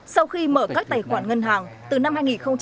sau khi mở các tài khoản ngân hàng từ năm hai nghìn một mươi sáu